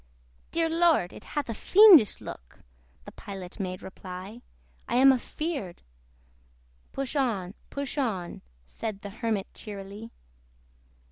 "Dear Lord! it hath a fiendish look (The Pilot made reply) I am a feared" "Push on, push on!" Said the Hermit cheerily.